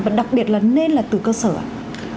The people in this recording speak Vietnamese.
và đặc biệt là nên là từ cơ sở ạ